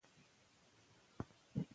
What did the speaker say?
هغه له اوږدې لارې راغلی دی.